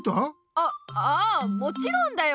あああもちろんだよ！